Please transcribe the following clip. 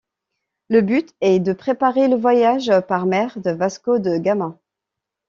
Le but est de préparer le voyage par mer de Vasco de Gama.